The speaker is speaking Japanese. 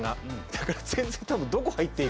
だから全然たぶんどこ入っていいか。